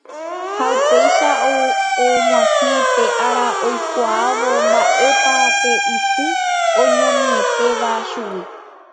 ha upéi og̃uahẽ pe ára oikuaávo mba'épa pe isy oñomietéva chugui.